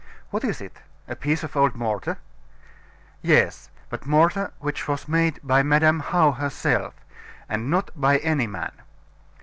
What is it? a piece of old mortar? Yes. But mortar which was made Madam How herself, and not by any man.